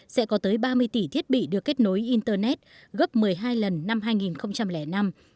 sẽ có tới ba mươi tỷ thiết bị được kết nối internet gấp một mươi hai lần năm hai nghìn năm